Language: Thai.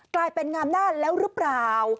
กลายเป็นงามหน้าแล้วหรือเปล่า